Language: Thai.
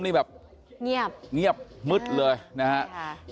เงียบมึดเลยนะครับ